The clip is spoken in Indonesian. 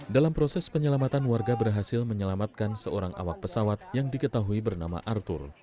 dalam proses penyelamatan warga berhasil menyelamatkan seorang awak pesawat yang diketahui bernama arthur